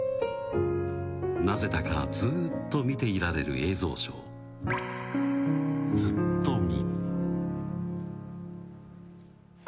なぜだかずっと見ていられる映像ショー、ずっとみ。